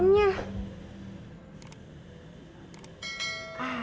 mana kabel remnya